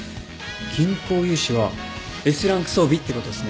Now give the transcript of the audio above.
銀行融資はＳランク装備ってことっすね。